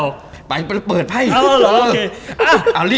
คีย์บอร์ด